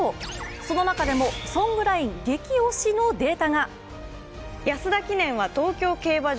その中でもソングラインゲキオシのデータが。